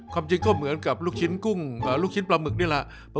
ความจริงก็เหมือนกับลูกชิ้นกุ้งลูกชิ้นปลาหมึกนี่แหละ